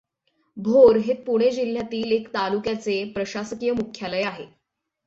भोर हे पुणे जिल्ह्यातील एक तालुक्याचे प्रशासकीय मुख्यालय आहे.